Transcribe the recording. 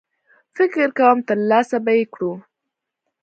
فکر کوم ترلاسه به یې کړو.